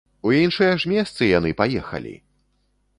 У іншыя ж месцы яны паехалі!